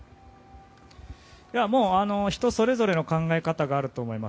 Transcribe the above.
もう、人それぞれの考え方があると思います。